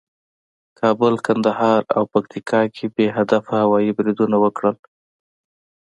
کابل، کندهار او پکتیکا کې بې هدفه هوایي بریدونه وکړل